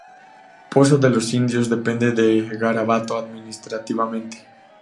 Pozo de los Indios depende de Garabato administrativamente.